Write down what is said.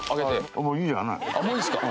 もういいっすか？